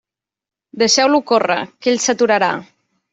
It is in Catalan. Deixeu-lo córrer, que ell s'aturarà.